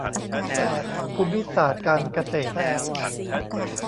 ภูมิศาสตร์การเกษตร